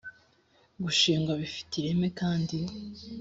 gushingwa bifite ireme kandi